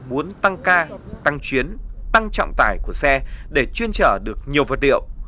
muốn tăng ca tăng chuyến tăng trọng tải của xe để chuyên chở được nhiều vật liệu